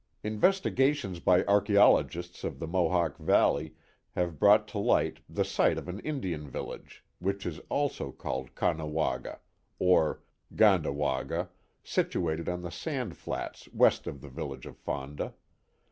Investigations by archaeologists of the Mohawk Valley have brought to light the site of an In dian village, which is also called Caughnawaga or Gan da wa gua, situated on the sand flats west of the village of Fonda.